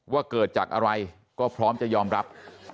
ว่าเกิดจากอะไรก็พร้อมจะยอมรับ